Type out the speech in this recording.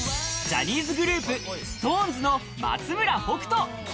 ジャニーズグループＳｉｘＴＯＮＥＳの松村北斗。